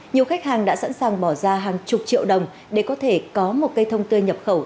nhiều khách hàng đã sẵn sàng bỏ ra hàng chục triệu đồng để có thể có một cây thông tươi nhập khẩu